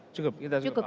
cukup kita cukup